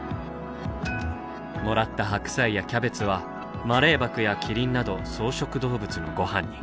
もらった白菜やキャベツはマレーバクやキリンなど草食動物のごはんに。